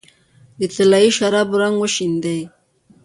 د طلايي شرابو رنګ وشیندې